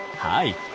はい。